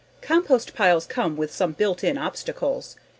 Compost piles come with some built in obstacles.